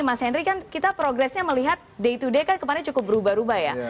mas henry kan kita progresnya melihat day to day kan kemarin cukup berubah ubah ya